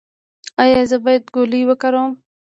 ایا زه باید ګولۍ وکاروم؟